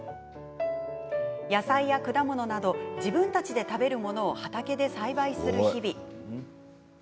野菜や果物など自分たちで食べるものを畑で栽培する日々。